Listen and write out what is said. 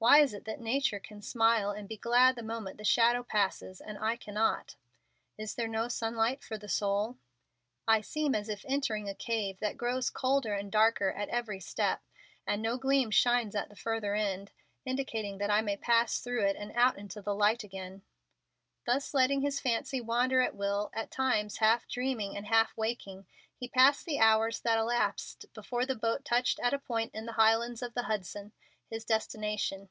Why is it that nature can smile and be glad the moment the shadow passes and I cannot? Is there no sunlight for the soul? I seem as if entering a cave, that grows colder and darker at every step, and no gleam shines at the further end, indicating that I may pass through it and out into the light again." Thus letting his fancy wander at will, at times half dreaming and half waking, he passed the hours that elapsed before the boat touched at a point in the Highlands of the Hudson, his destination.